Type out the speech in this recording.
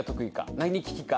何利きか。